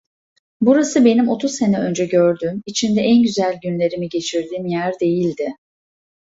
Burası benim otuz sene önce gördüğüm, içinde en güzel günlerimi geçirdiğim yer değildi.